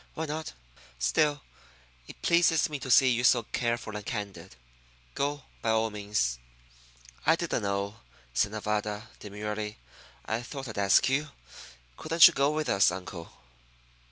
Why not? Still, it pleases me to see you so careful and candid. Go, by all means." "I didn't know," said Nevada, demurely. "I thought I'd ask you. Couldn't you go with us, uncle?"